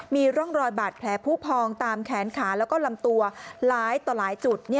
มีร่องรอยบาดแผลผู้พองตามแขนขาแล้วก็ลำตัวหลายต่อหลายจุด